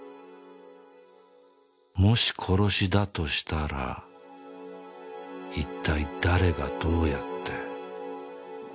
もし殺しだとしたらいったい誰がどうやって？